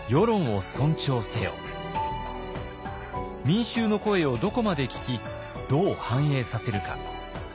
民衆の声をどこまで聞きどう反映させるか。